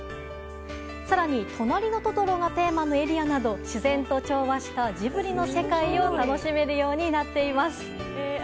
更に「となりのトトロ」がテーマのエリアなど自然と調和したジブリの世界を楽しめるようになっています。